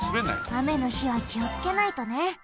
あめのひはきをつけないとね。